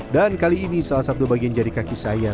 dan kali ini salah satu bagian jari kaki saya